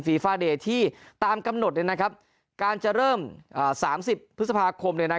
ฟีฟาเดย์ที่ตามกำหนดนะครับการจะเริ่ม๓๐พฤษภาคมเลยนะ